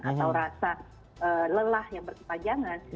atau rasa lelah yang berkepanjangan